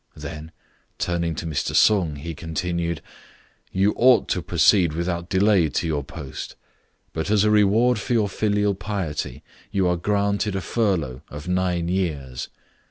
Then, turning to Mr. Sung, he continued, " You ought to proceed without delay to your post ; but as a reward for your filial piety, you are granted a fur lough of nine years.